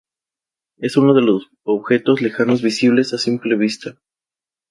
Es uno de los objetos más lejanos visibles a simple vista.